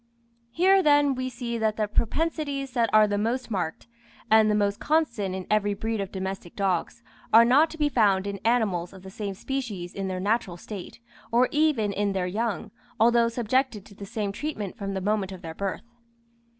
Here, then, we see that the propensities that are the most marked, and the most constant in every breed of domestic dogs, are not to be found in animals of the same species in their natural state, or even in their young, although subjected to the same treatment from the moment of their birth.